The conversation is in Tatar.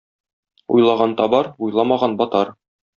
Уйлаган табар, уйламаган батар.